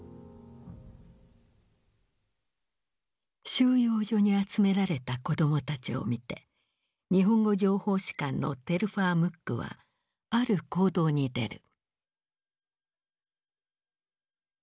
収容所に集められた子供たちを見て日本語情報士官のテルファー・ムックはある行動に出る。